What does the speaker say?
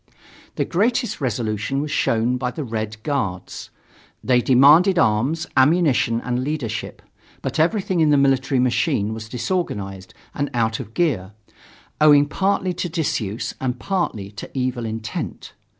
The greatest resolution was shown by the Red Guards. They demanded arms, ammunition, and leadership. But everything in the military machine was disorganized and out of gear, owing partly to disuse and partly to evil intent.